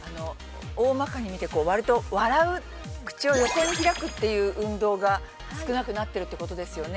大まかに見て笑う口を横に開くという運動が、少なくなってるということですよね。